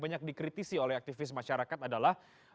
banyak dikritisi oleh aktivis masyarakat adalah